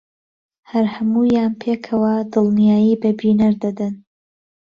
هەر هەموویان پێکەوە دڵنیایی بە بینەر دەدەن